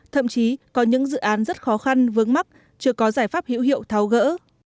thậm chí có những dự án rất khó khăn vướng mắc chưa có giải pháp hữu hiệu tháo gỡ